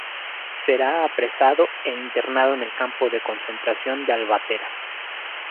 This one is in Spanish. Será apresado, e internado en el campo de concentración de Albatera.